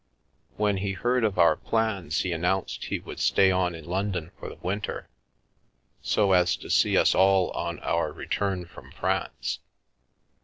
When he heard of our plans he announced he would stay on in London for the winter, so as to see us all on our return from France.